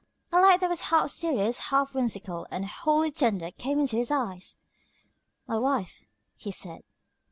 A light that was half serious, half whimsical, and wholly tender, came into his eyes. "My wife," he said.